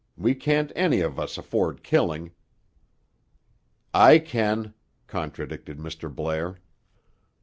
"We can't any of us afford killing." "I can," contradicted Mr. Blair.